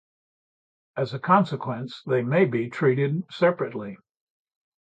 As a consequence, they may be treated separately.